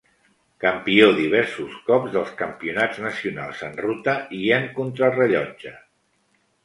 Campió diversos cops dels campionats nacionals en ruta i en contrarellotge.